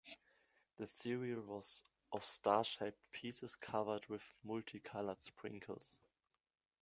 The cereal was of star-shaped pieces covered with multi-colored sprinkles.